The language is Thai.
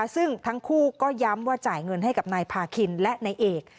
ซึ่งทั้งคู่ก็ย้ำว่าจ่ายเงินให้กับนายพาคินและนายเอก